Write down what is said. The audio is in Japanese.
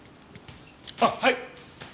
あっはい！